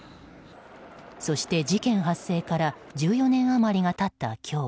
そして事件発生から１４年余りが経った今日。